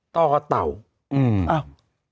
ตอเต่าอืมเอ้า